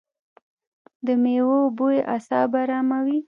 د میوو بوی اعصاب اراموي.